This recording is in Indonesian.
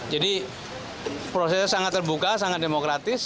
jadi prosesnya sangat terbuka sangat demokratis